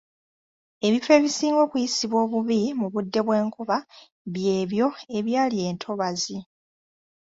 Ebifo ebisinga okuyisibwa obubi mu budde bw’enkuba by’ebyo ebyali entobazi.